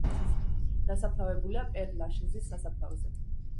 დასაფლავებულია პერ ლაშეზის სასაფლაოზე.